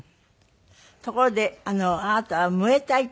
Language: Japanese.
ところであなたはムエタイという。